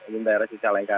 di daerah cicalengka